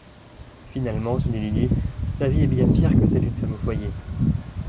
Finalement, se dit Lydie, sa vie est bien pire que celle d’une femme au foyer